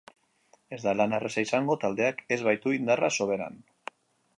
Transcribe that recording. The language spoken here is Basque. Ez da lan erraza izango taldeak ez baitu indarra soberan.